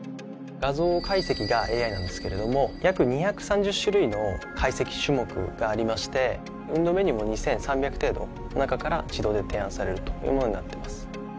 画像解析がＡＩなんですけれども約２３０種類の解析種目がありまして運動メニューも２３００程度の中から自動で提案されるというものになっています。